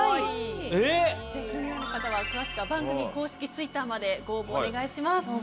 詳しくは番組公式ツイッターまでご応募お願いします。